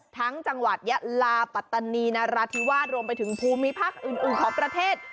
จังหวัดยะลาปัตตานีนราธิวาสรวมไปถึงภูมิภาคอื่นของประเทศ